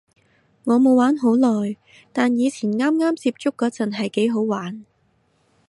我冇玩好耐，但以前啱啱接觸嗰陣係幾好玩